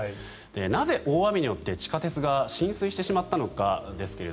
なぜ大雨によって地下鉄が浸水してしまったのかですが